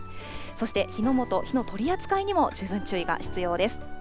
そして、火の元、火の取り扱いにも十分注意が必要です。